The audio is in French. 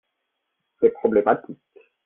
C'est problématique.